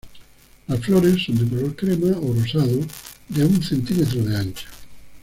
Las flores son de color crema o rosado de un cm de ancho.